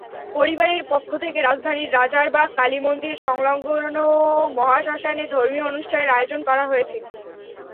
পরিবারের পক্ষ থেকে রাজধানীর রাজারবাগ কালীমন্দির-সংলগ্ন মহাশ্মাশানে ধর্মীয় অনুষ্ঠানের আয়োজন করা হয়েছে।